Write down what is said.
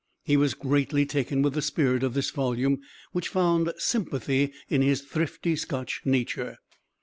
He was greatly taken with the spirit of this volume which found sympathy in his thrifty Scotch nature.